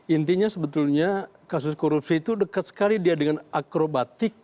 intinya sebetulnya kasus korupsi itu dekat sekali dia dengan akrobatik